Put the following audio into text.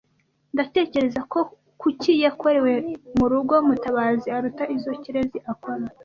Ndatekereza ko kuki yakorewe murugo Mutabazi aruta izo Kirezi akora.